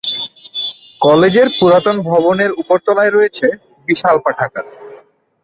কলেজের পুরাতন ভবনের উপরতলয়ায় রয়েছে বিশাল পাঠাগার।